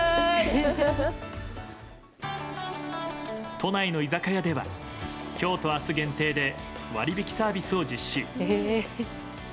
都内の居酒屋では今日と明日限定で割引サービスを実施。